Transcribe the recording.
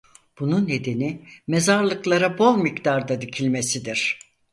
Bunun nedeni mezarlıklara bol miktarda dikilmesidir.